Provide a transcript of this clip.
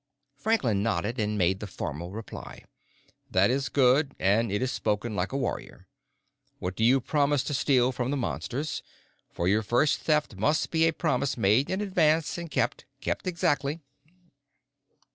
Franklin nodded and made the formal reply. "That is good, and it is spoken like a warrior. What do you promise to steal from the Monsters? For your first Theft must be a promise made in advance and kept, kept exactly."